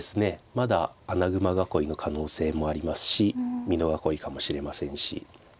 まだ穴熊囲いの可能性もありますし美濃囲いかもしれませんし。